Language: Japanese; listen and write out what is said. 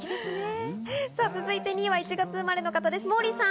続いて２位は１月生まれの方です、モーリーさん。